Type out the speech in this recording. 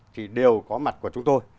thì đều có mặt của chúng tôi